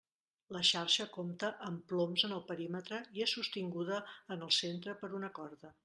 La xarxa compta amb ploms en el perímetre i és sostinguda en el centre per una corda.